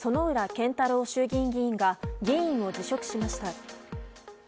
健太郎衆議院議員が議員を辞職しました。